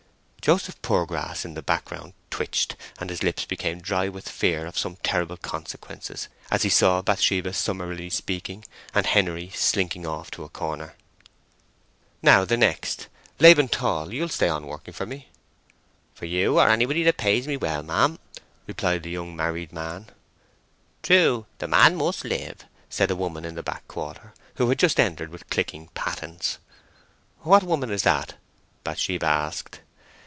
Joseph Poorgrass, in the background twitched, and his lips became dry with fear of some terrible consequences, as he saw Bathsheba summarily speaking, and Henery slinking off to a corner. "Now the next. Laban Tall, you'll stay on working for me?" "For you or anybody that pays me well, ma'am," replied the young married man. "True—the man must live!" said a woman in the back quarter, who had just entered with clicking pattens. "What woman is that?" Bathsheba asked.